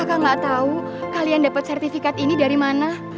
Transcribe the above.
kakak gak tahu kalian dapat sertifikat ini dari mana